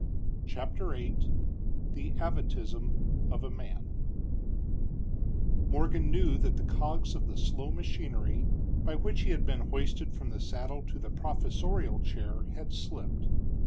CHAPTER VIII THE AVATISM OF A MAN Morgan knew that the cogs of the slow machinery by which he had been hoisted from the saddle to the professorial chair had slipped.